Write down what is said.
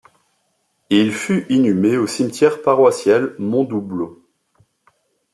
Il fut inhumé au cimetière paroissial Mondoubleau.